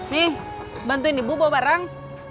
nih bantuin ibu bawa barang